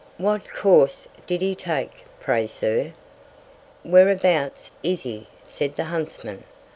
What Course did he take, pray, Sir? Whereabouts is he, said the Huntsman?